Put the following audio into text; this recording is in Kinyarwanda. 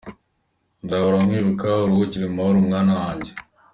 Nzahora nkwibuka, uruhukire mu mahoro mwana wanjye”